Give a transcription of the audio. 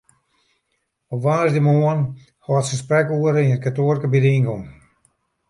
Op woansdeitemoarn hâldt se sprekoere yn it kantoarke by de yngong.